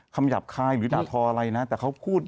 คำหยับคายหรือหนาทออะไรนะแต่เขาพูดด้วย